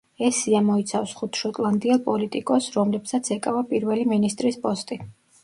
ეს სია მოიცავს ხუთ შოტლანდიელ პოლიტიკოსს, რომლებსაც ეკავა პირველი მინისტრის პოსტი.